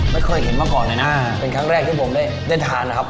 ไม่เคยเห็นมาก่อนเลยนะเป็นครั้งแรกที่ผมได้ได้ทานนะครับ